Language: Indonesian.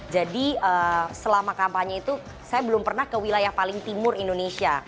jadi selama kampanye itu saya belum pernah ke wilayah paling timur indonesia